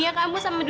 aku bekas pembantu